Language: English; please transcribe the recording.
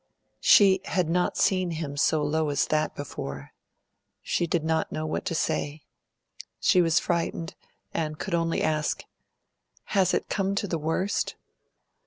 She had not seen him so low as that before. She did not know what to say. She was frightened, and could only ask, "Has it come to the worst?"